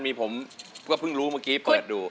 มีผมก็เพิ่งรู้เมื่อกี้เปิดดู